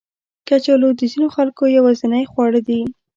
کچالو د ځینو خلکو یوازینی خواړه دي